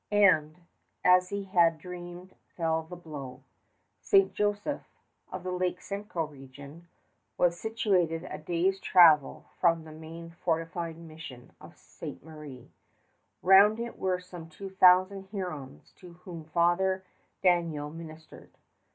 And, as he had dreamed, fell the blow. St. Joseph, of the Lake Simcoe region, was situated a day's travel from the main fortified mission of Ste. Marie. Round it were some two thousand Hurons to whom Father Daniel ministered.